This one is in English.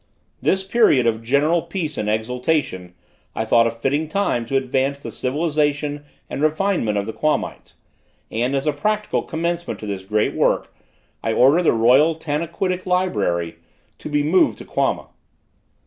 This period of general peace and exultation, I thought a fitting time to advance the civilization and refinement of the Quamites, and as a practical commencement to this great work I ordered the royal Tanaquitic library to be moved to Quama.